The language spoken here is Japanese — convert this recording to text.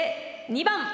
２番！